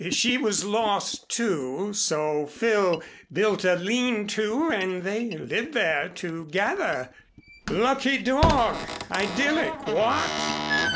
She was lost, too, so Phil built a lean to and they lived there together. Lucky dog! Idyllic what?"